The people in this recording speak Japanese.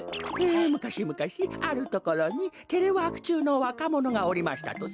「むかしむかしあるところにテレワークちゅうのわかものがおりましたとさ」。